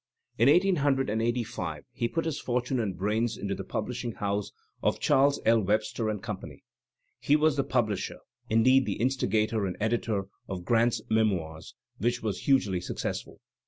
In 1885 he put his fortime and brains into the publishing bouse of Charles L. Webster & Company. He was the publisher — indeed, the instigator and editor — of Grant's "Memoirs," which was hugely successful.